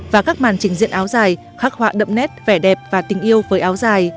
và các màn trình diện áo dài khắc họa đậm nét vẻ đẹp và tình yêu với áo dài